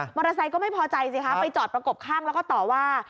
อเตอร์ไซค์ก็ไม่พอใจสิคะไปจอดประกบข้างแล้วก็ต่อว่า